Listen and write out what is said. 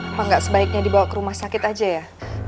apa nggak sebaiknya dibawa ke rumah sakit aja ya